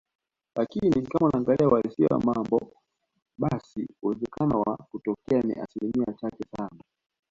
lakini kama unaangalia uhalisia wa mambo basi uwezekano wa kutokea ni asilimia chache sana